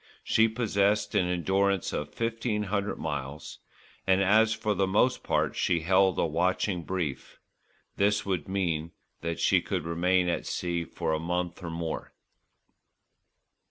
She possessed an endurance of fifteen hundred miles, and as for the most part she held a watching brief, this would mean that she could remain at sea for a month or more.